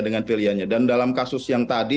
dengan pilihannya dan dalam kasus yang tadi